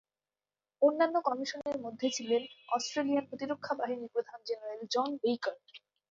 অন্যান্য কমিশনের মধ্যে ছিলেন অস্ট্রেলিয়ান প্রতিরক্ষা বাহিনীর প্রধান জেনারেল জন বেকার।